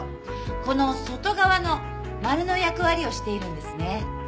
この外側の丸の役割をしているんですね。